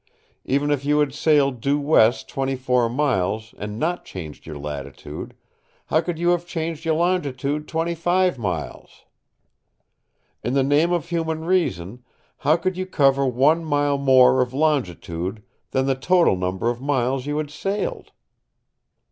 Even if you had sailed due west 24 miles, and not changed your latitude, how could you have changed your longitude 25 miles? In the name of human reason, how could you cover one mile more of longitude than the total number of miles you had sailed?